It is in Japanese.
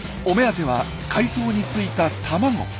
お目当ては海藻についた卵。